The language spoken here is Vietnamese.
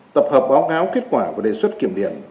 tập hợp báo cáo kết quả và đề xuất kiểm điểm